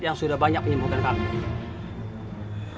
yang sudah banyak menyembuhkan kami